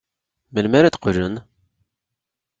Melmi ara d-qqlen?